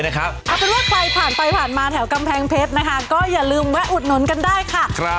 แล้วเราก็ไปผ่านมาแถวกำแพงเพชรนะฮะก็อย่าลืมแวะอุดนร้านกันได้ครับ